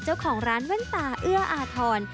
เจ้าของร้านแว่นตาเอื้ออาทร